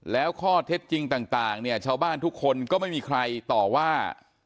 แล้วข้อเท็จจริงต่างเนี่ยชาวบ้านทุกคนก็ไม่มีใครต่อว่า